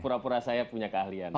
pura pura saya punya keahlian